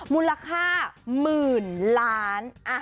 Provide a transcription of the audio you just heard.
มูลค่าหมื่นล้าน